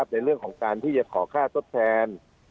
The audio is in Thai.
ในเรื่องของการที่จะขอค่าทดแทน